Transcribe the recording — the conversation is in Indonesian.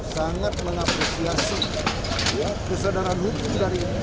sangat mengapresiasi kesadaran hukum dari